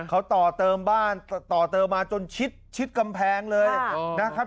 เขาต่อเติมบ้านต่อเติมมาจนชิดกำแพงเลยนะครับ